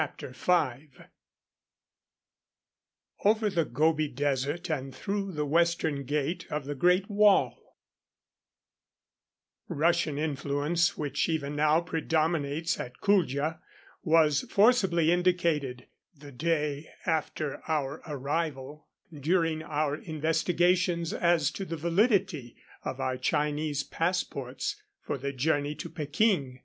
V OVER THE GOBI DESERT AND THROUGH THE WESTERN GATE OF THE GREAT WALL Russian influence, which even now predominates at Kuldja, was forcibly indicated, the day after our arrival, during our investigations as to the validity of our Chinese passports for the journey to Peking.